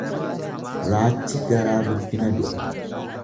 Raachi garaa guddina du'a.